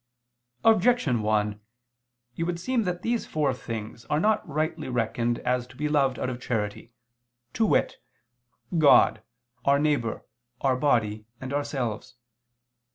Objection 1: It would seem that these four things are not rightly reckoned as to be loved out of charity, to wit: God, our neighbor, our body, and ourselves.